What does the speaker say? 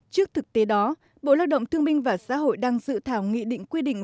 trước thực tế đó bộ lao động thương minh và xã hội đang dự thảo nghị định quy định